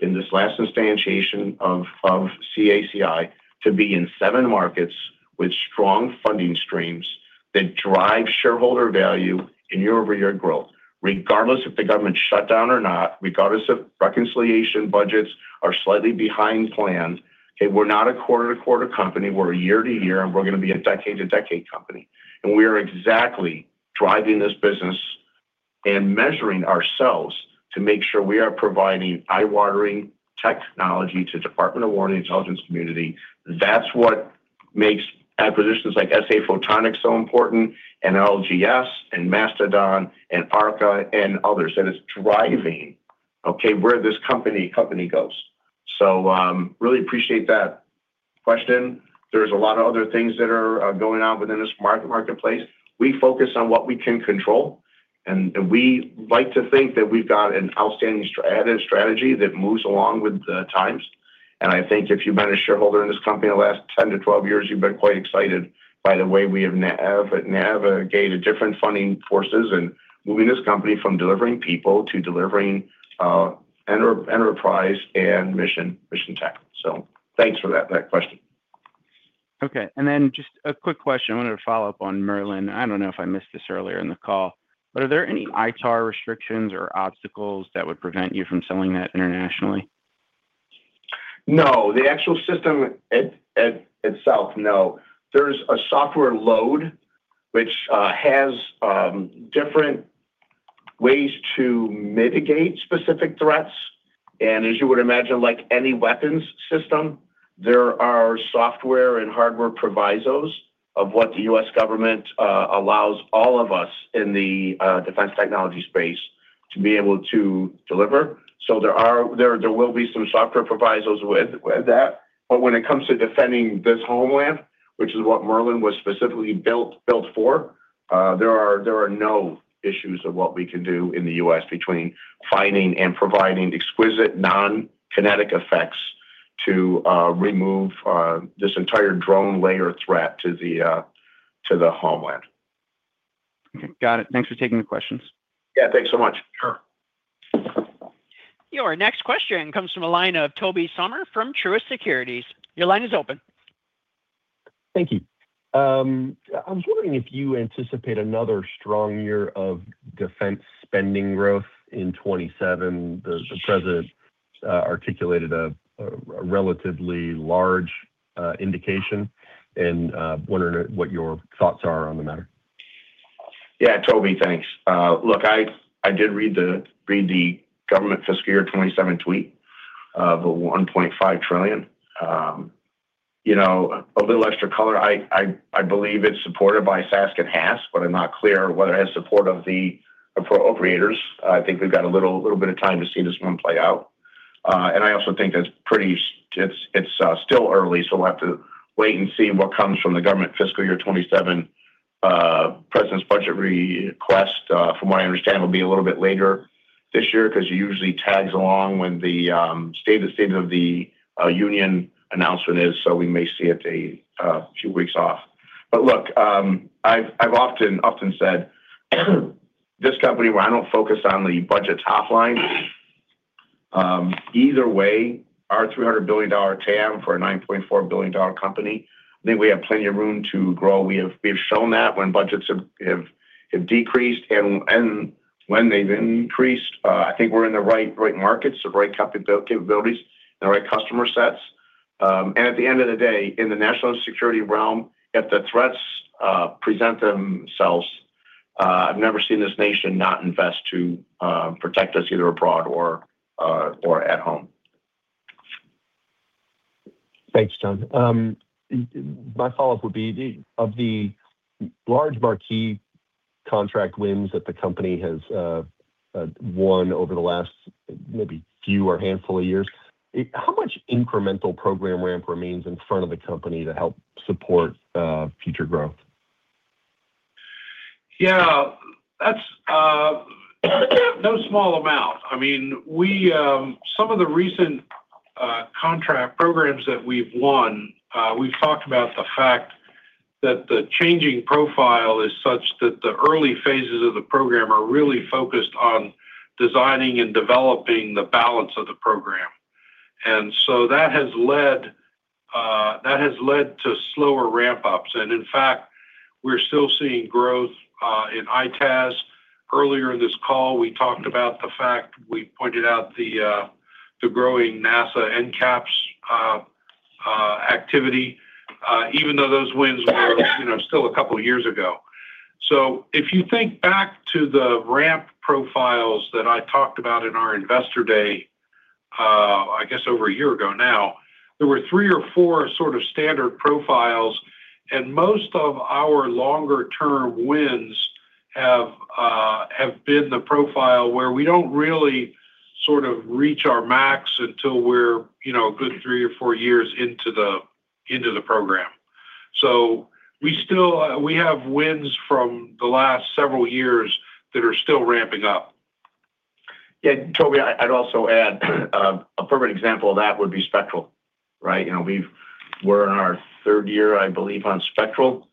in this last instantiation of CACI to be in seven markets with strong funding streams that drive shareholder value in year-over-year growth, regardless if the government shut down or not, regardless if reconciliation budgets are slightly behind plan. Okay? We're not a quarter-to-quarter company. We're a year-to-year, and we're going to be a decade-to-decade company. We are exactly driving this business and measuring ourselves to make sure we are providing eye-watering technology to the warfighting and intelligence community. That's what makes acquisitions like SA Photonics so important and LGS and Mastodon and ARCA and others that's driving where this company goes. I really appreciate that question. There's a lot of other things that are going on within this marketplace. We focus on what we can control, and we like to think that we've got an outstanding strategy that moves along with the times. I think if you've been a shareholder in this company the last 10-12 years, you've been quite excited by the way we have navigated different funding forces and moving this company from delivering people to delivering enterprise and mission tech. Thanks for that question. Okay. And then just a quick question. I wanted to follow up on Merlin. I don't know if I missed this earlier in the call. But are there any ITAR restrictions or obstacles that would prevent you from selling that internationally? No. The actual system itself, no. There's a software load which has different ways to mitigate specific threats. And as you would imagine, like any weapons system, there are software and hardware provisos of what the U.S. government allows all of us in the defense technology space to be able to deliver. So there will be some software provisos with that. But when it comes to defending this homeland, which is what Merlin was specifically built for, there are no issues of what we can do in the U.S. between finding and providing exquisite non-kinetic effects to remove this entire drone layer threat to the homeland. Okay. Got it. Thanks for taking the questions. Yeah. Thanks so much. Sure. Your next question comes from a line of Toby Sommer from Truist Securities. Your line is open. Thank you. I was wondering if you anticipate another strong year of defense spending growth in 2027. The president articulated a relatively large indication, and I'm wondering what your thoughts are on the matter. Yeah. Toby, thanks. Look, I did read the government fiscal year 2027 tweet of $1.5 trillion. A little extra color. I believe it's supported by SASC and HASC, but I'm not clear whether it has support of the appropriators. I think we've got a little bit of time to see this one play out, and I also think it's still early, so we'll have to wait and see what comes from the government fiscal year 2027. President's budget request, from what I understand, will be a little bit later this year because it usually tags along when the State of the Union announcement is, so we may see it a few weeks off. But look, I've often said this company where I don't focus on the budget top line. Either way, our $300 billion TAM for a $9.4 billion company, I think we have plenty of room to grow. We have shown that when budgets have decreased and when they've increased. I think we're in the right markets, the right capabilities, and the right customer sets, and at the end of the day, in the national security realm, if the threats present themselves, I've never seen this nation not invest to protect us either abroad or at home. Thanks, John. My follow-up would be of the large marquee contract wins that the company has won over the last maybe few or handful of years, how much incremental program ramp remains in front of the company to help support future growth? Yeah. That's no small amount. I mean, some of the recent contract programs that we've won, we've talked about the fact that the changing profile is such that the early phases of the program are really focused on designing and developing the balance of the program. In fact, we're still seeing growth in ITAS. Earlier in this call, we talked about the fact we pointed out the growing NASA and NCAPS activity, even though those wins were still a couple of years ago. So if you think back to the ramp profiles that I talked about in our investor day, I guess over a year ago now, there were three or four sort of standard profiles, and most of our longer-term wins have been the profile where we don't really sort of reach our max until we're a good three or four years into the program. We have wins from the last several years that are still ramping up. Yeah. Toby, I'd also add a perfect example of that would be Spectral, right? We're in our third year, I believe, on Spectral.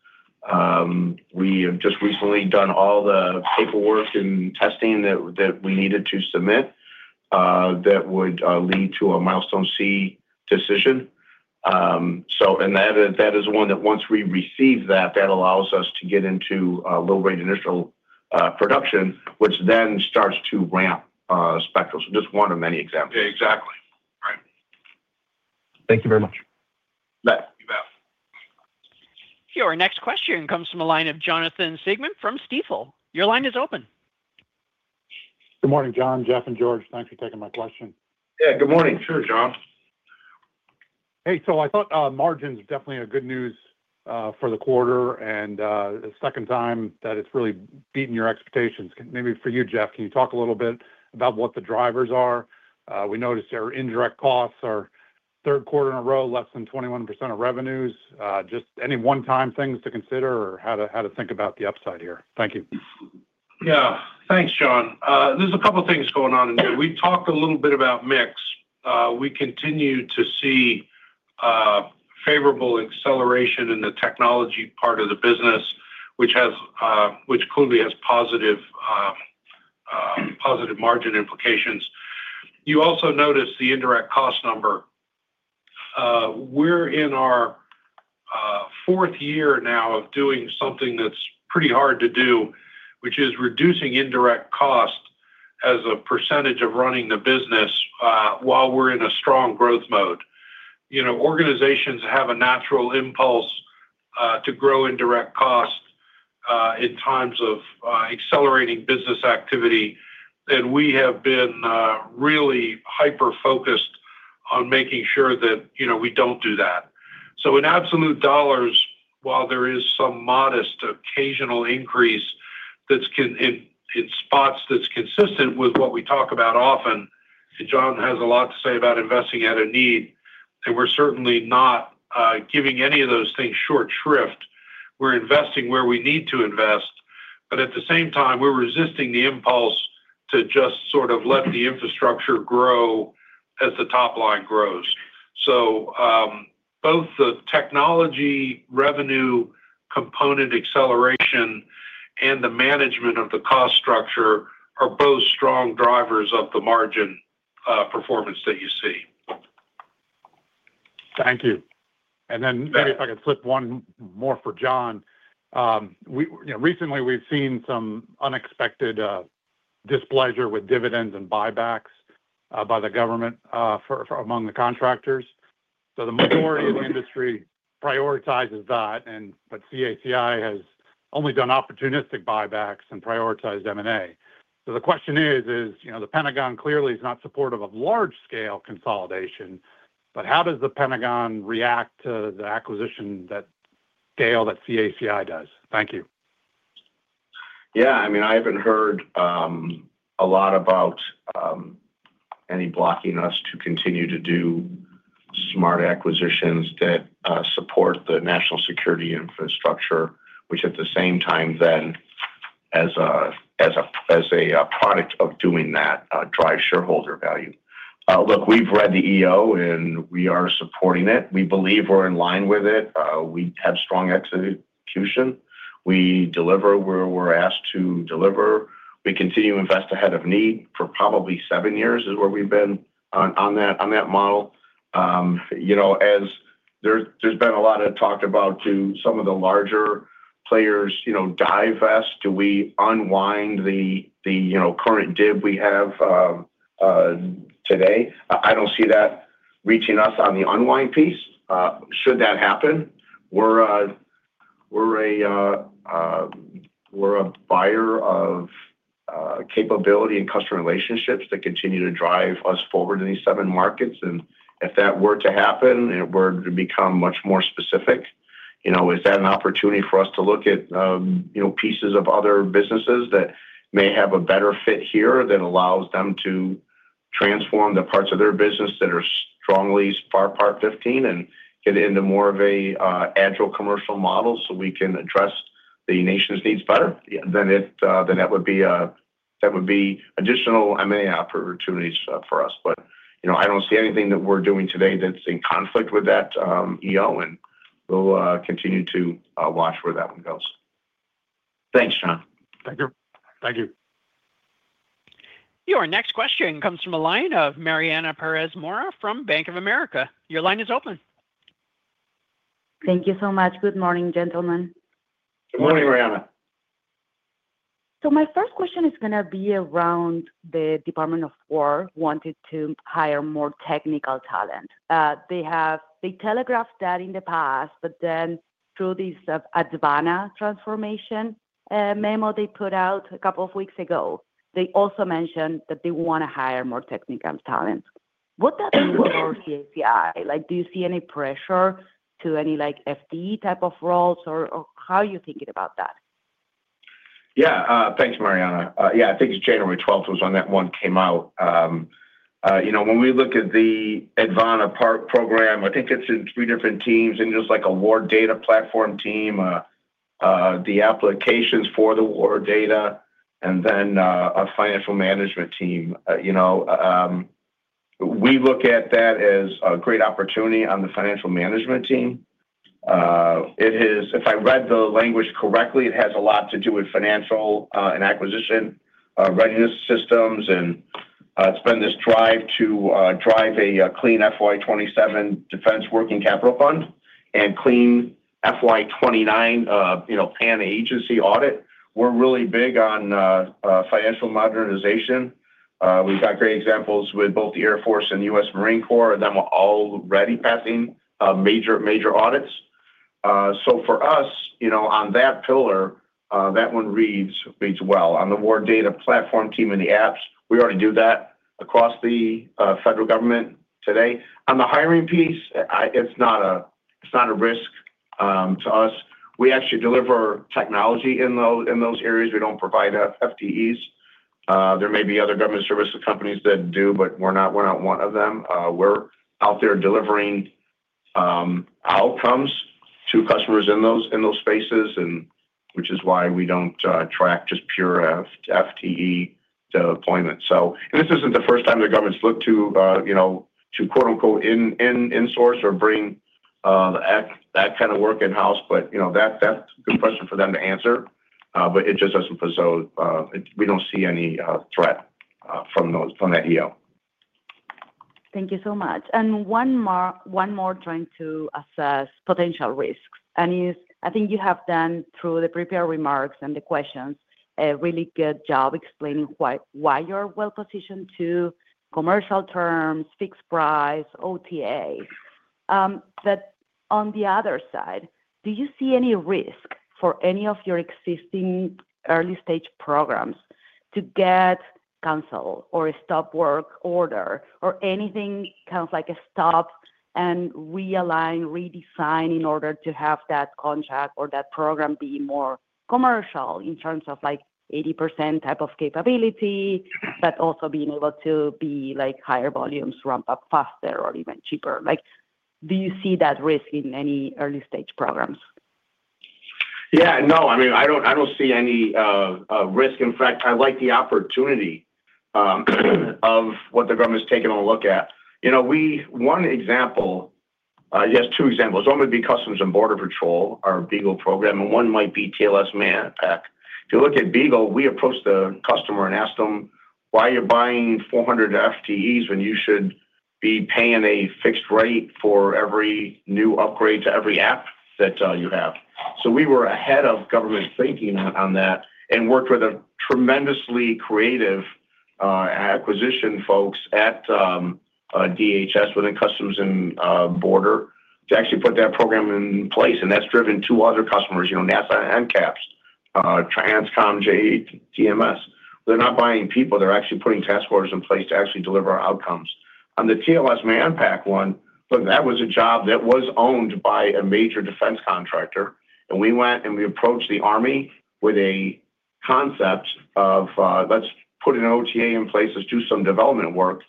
We have just recently done all the paperwork and testing that we needed to submit that would lead to a Milestone C decision, and that is one that once we receive that, that allows us to get into low-grade initial production, which then starts to ramp Spectral. So just one of many examples. Yeah. Exactly. Right. Thank you very much. Bye. Your next question comes from a line of Jonathan Siegmann from Stifel. Your line is open. Good morning, John, Jeff, and George. Thanks for taking my question. Yeah. Good morning. Sure, Jon. Hey, so I thought margins were definitely good news for the quarter and the second time that it's really beaten your expectations. Maybe for you, Jeff, can you talk a little bit about what the drivers are? We noticed our indirect costs are third quarter in a row less than 21% of revenues. Just any one-time things to consider or how to think about the upside here? Thank you. Yeah. Thanks, John. There's a couple of things going on in here. We've talked a little bit about mix. We continue to see favorable acceleration in the technology part of the business, which clearly has positive margin implications. You also notice the indirect cost number. We're in our fourth year now of doing something that's pretty hard to do, which is reducing indirect cost as a percentage of running the business while we're in a strong growth mode. Organizations have a natural impulse to grow indirect cost in times of accelerating business activity, and we have been really hyper-focused on making sure that we don't do that. So in absolute dollars, while there is some modest occasional increase in spots that's consistent with what we talk about often, and John has a lot to say about investing at a need, and we're certainly not giving any of those things short shrift. We're investing where we need to invest, but at the same time, we're resisting the impulse to just sort of let the infrastructure grow as the top line grows. So both the technology revenue component acceleration and the management of the cost structure are both strong drivers of the margin performance that you see. Thank you. And then maybe if I could flip one more for John. Recently, we've seen some unexpected displeasure with dividends and buybacks by the government among the contractors. So the majority of the industry prioritizes that, but CACI has only done opportunistic buybacks and prioritized M&A. So the question is: the Pentagon clearly is not supportive of large-scale consolidation, but how does the Pentagon react to the acquisition scale that CACI does? Thank you. Yeah. I mean, I haven't heard a lot about any blocking us to continue to do smart acquisitions that support the national security infrastructure, which at the same time then, as a product of doing that, drives shareholder value. Look, we've read the EO, and we are supporting it. We believe we're in line with it. We have strong execution. We deliver where we're asked to deliver. We continue to invest ahead of need for probably seven years is where we've been on that model. There's been a lot of talk about some of the larger players divest us. Do we unwind the current DIB we have today? I don't see that reaching us on the unwind piece. Should that happen, we're a buyer of capability and customer relationships that continue to drive us forward in these seven markets. And if that were to happen and were to become much more specific, is that an opportunity for us to look at pieces of other businesses that may have a better fit here that allows them to transform the parts of their business that are strongly FAR Part 15 and get into more of an agile commercial model so we can address the nation's needs better? Then that would be additional M&A opportunities for us. But I don't see anything that we're doing today that's in conflict with that EO, and we'll continue to watch where that one goes. Thanks, Jon. Thank you. Thank you. Your next question comes from a line of Mariana Perez Mora from Bank of America. Your line is open. Thank you so much. Good morning, gentlemen. Good morning, Mariana. So my first question is going to be around the Department of Defense wanting to hire more technical talent. They telegraphed that in the past, but then through this Advana transformation memo they put out a couple of weeks ago, they also mentioned that they want to hire more technical talent. What does that mean for CACI? Do you see any pressure to any FTE type of roles, or how are you thinking about that? Yeah. Thanks, Mariana. Yeah. I think it's January 12th was when that one came out. When we look at the Advana program, I think it's in three different teams. And just like a warfighter data platform team, the applications for the warfighter data, and then a financial management team. We look at that as a great opportunity on the financial management team. If I read the language correctly, it has a lot to do with financial and acquisition readiness systems. And it's been this drive to drive a clean FY 2027 defense working capital fund and clean FY 2029 pan-agency audit. We're really big on financial modernization. We've got great examples with both the U.S. Air Force and the U.S. Marine Corps, and then we're already passing major audits. So for us, on that pillar, that one reads well. On the war data platform team and the apps, we already do that across the federal government today. On the hiring piece, it's not a risk to us. We actually deliver technology in those areas. We don't provide FTEs. There may be other government services companies that do, but we're not one of them. We're out there delivering outcomes to customers in those spaces, which is why we don't track just pure FTE deployment. And this isn't the first time the government's looked to "insource" or bring that kind of work in-house, but that's a good question for them to answer. But it just doesn't present. We don't see any threat from that EO. Thank you so much. And one more trying to assess potential risks. And I think you have done, through the prepared remarks and the questions, a really good job explaining why you're well-positioned to commercial terms, fixed price, OTA. But on the other side, do you see any risk for any of your existing early-stage programs to get canceled or stop work order or anything kind of like a stop and realign, redesign in order to have that contract or that program be more commercial in terms of 80% type of capability, but also being able to be higher volumes, ramp up faster, or even cheaper? Do you see that risk in any early-stage programs? Yeah. No. I mean, I don't see any risk. In fact, I like the opportunity of what the government's taken a look at. One example. You have two examples. One would be Customs and Border Protection, our BEAGLE program, and one might be TLS Manpack. If you look at BEAGLE, we approach the customer and ask them, "Why are you buying 400 FTEs when you should be paying a fixed rate for every new upgrade to every app that you have?" So we were ahead of government thinking on that and worked with a tremendously creative acquisition folks at DHS within Customs and Border Protection to actually put that program in place, and that's driven two other customers, NASA and NCAPS, Transcom, JTMS. They're not buying people. They're actually putting task forces in place to actually deliver outcomes. On the TLS-BCT Manpack one, look, that was a job that was owned by a major defense contractor. And we went and we approached the Army with a concept of, "Let's put an OTA in place. Let's do some development work.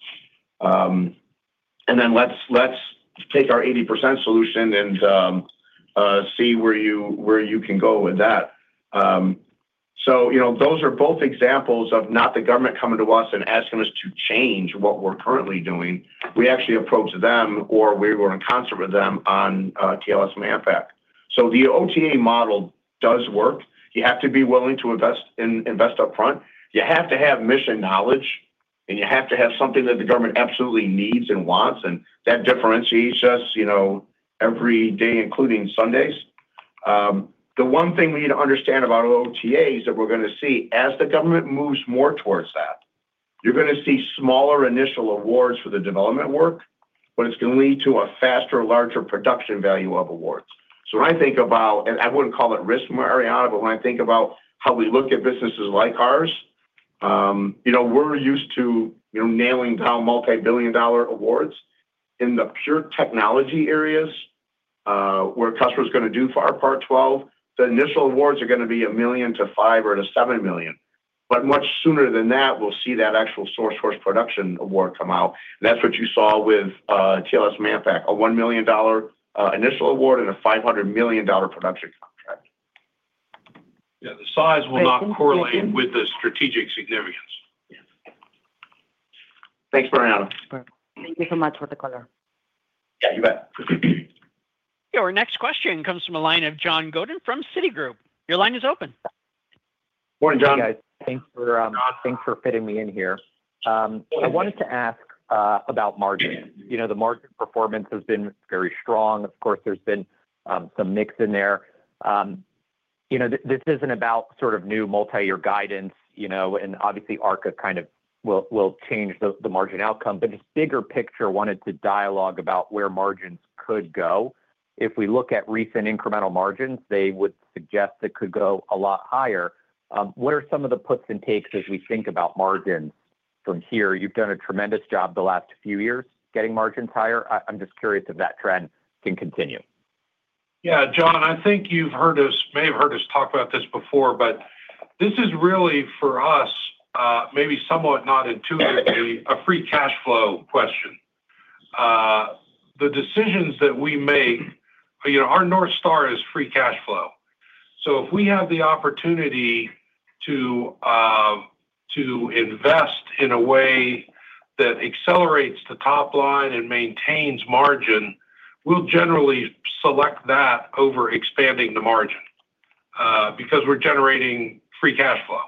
And then let's take our 80% solution and see where you can go with that." So those are both examples of not the government coming to us and asking us to change what we're currently doing. We actually approached them or we were in concert with them on TLS-BCT Manpack. So the OTA model does work. You have to be willing to invest upfront. You have to have mission knowledge, and you have to have something that the government absolutely needs and wants. And that differentiates us every day, including Sundays. The one thing we need to understand about OTAs that we're going to see as the government moves more towards that, you're going to see smaller initial awards for the development work, but it's going to lead to a faster, larger production value of awards. So when I think about and I wouldn't call it risk, Mariana, but when I think about how we look at businesses like ours, we're used to nailing down multi-billion dollar awards. In the pure technology areas where a customer is going to do FAR Part 12, the initial awards are going to be $1 million to $5 million or to $7 million. But much sooner than that, we'll see that actual full-scale production award come out. And that's what you saw with TLS-BCT Manpack, a $1 million initial award and a $500 million production contract. Yeah. The size will not correlate with the strategic significance. Thanks, Mariana. Thank you so much, for the Color. Yeah. You bet. Your next question comes from a line of John Godin from Citigroup. Your line is open. Morning, John. Hey, guys. Thanks for fitting me in here. I wanted to ask about margins. The margin performance has been very strong. Of course, there's been some mix in there. This isn't about sort of new multi-year guidance, and obviously ARCA kind of will change the margin outcome, but this bigger picture wanted to dialogue about where margins could go. If we look at recent incremental margins, they would suggest it could go a lot higher. What are some of the puts and takes as we think about margins from here? You've done a tremendous job the last few years getting margins higher. I'm just curious if that trend can continue. Yeah. John, I think you may have heard us talk about this before, but this is really, for us, maybe somewhat not intuitively, a free cash flow question. The decisions that we make, our North Star is free cash flow. So if we have the opportunity to invest in a way that accelerates the top line and maintains margin, we'll generally select that over expanding the margin because we're generating free cash flow.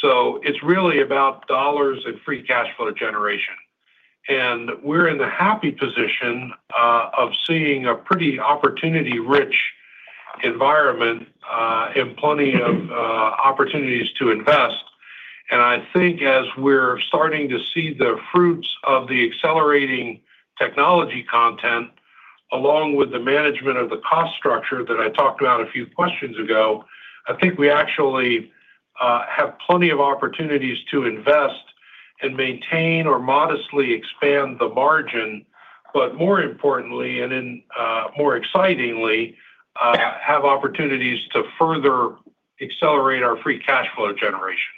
So it's really about dollars and free cash flow generation. And we're in the happy position of seeing a pretty opportunity-rich environment and plenty of opportunities to invest. And I think as we're starting to see the fruits of the accelerating technology content along with the management of the cost structure that I talked about a few questions ago, I think we actually have plenty of opportunities to invest and maintain or modestly expand the margin, but more importantly, and more excitingly, have opportunities to further accelerate our free cash flow generation.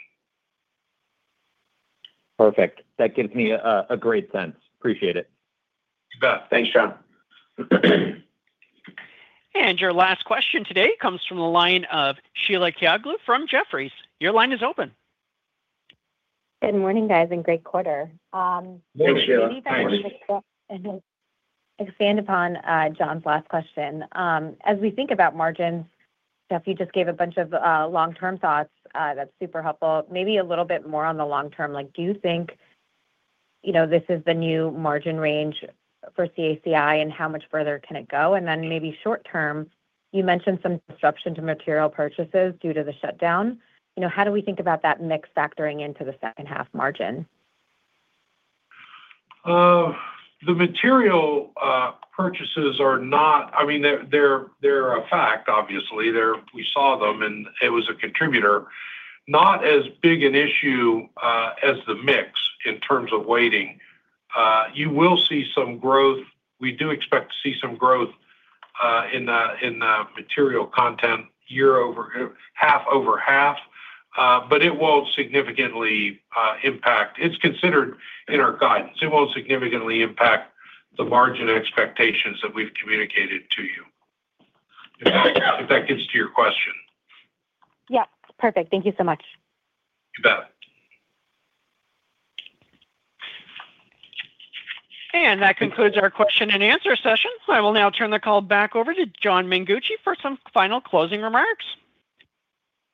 Perfect. That gives me a great sense. Appreciate it. You bet. Thanks, John. And your last question today comes from the line of Sheila Kahyaoglu from Jefferies. Your line is open. Good morning, guys, and great quarter. Thanks, Sheila. Thanks, John. Expand upon John's last question. As we think about margins, Jeff, you just gave a bunch of long-term thoughts. That's super helpful. Maybe a little bit more on the long term. Do you think this is the new margin range for CACI, and how much further can it go? And then maybe short term, you mentioned some disruption to material purchases due to the shutdown. How do we think about that mix factoring into the second half margin? The material purchases are not, I mean, they're a fact, obviously. We saw them, and it was a contributor. Not as big an issue as the mix in terms of weighting. You will see some growth. We do expect to see some growth in the material content year over half over half, but it won't significantly impact. It's considered in our guidance. It won't significantly impact the margin expectations that we've communicated to you, if that gets to your question. Yep. Perfect. Thank you so much. You bet. That concludes our question and answer session. I will now turn the call back over to John Mengucci for some final closing remarks.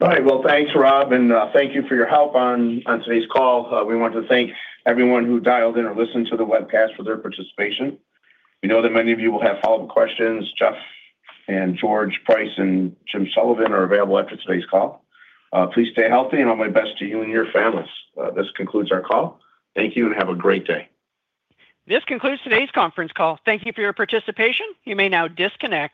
All right. Well, thanks, Rob, and thank you for your help on today's call. We want to thank everyone who dialed in or listened to the webcast for their participation. We know that many of you will have follow-up questions. Jeff and George Price and Jim Sullivan are available after today's call. Please stay healthy, and all my best to you and your families. This concludes our call. Thank you, and have a great day. This concludes today's conference call. Thank you for your participation. You may now disconnect.